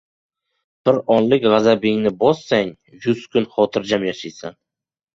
• Bir onlik g‘azabingni bossang, yuz kun xotirjam yashaysan.